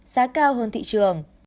giá cao hơn thị trường